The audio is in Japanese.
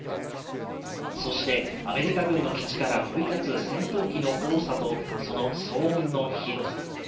そして、アメリカ軍の基地から飛び立つ戦闘機の多さと、その騒音のひどさ。